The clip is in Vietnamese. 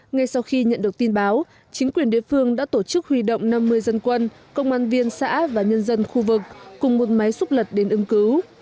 ngay sau khi nhận được tin báo chính quyền địa phương đã tổ chức huy động năm mươi dân quân công an viên xã và nhân dân khu vực cùng một máy xúc lật đến ứng cứu